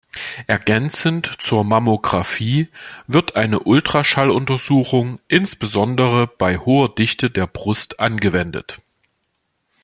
Ergänzend zur Mammographie wird eine Ultraschalluntersuchung insbesondere bei hoher Dichte der Brust angewendet.